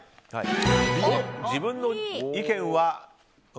自分の意見は。